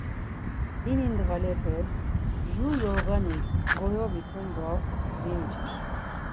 İni ndğalepes Jur yoğani goyovitum do vincir.